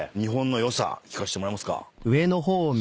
聞かせてもらえますか。